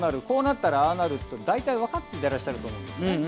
こうなったらああなるって大体、分かってらっしゃると思うんですね。